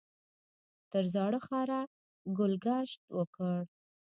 تر زاړه ښاره ګل ګشت وکړ.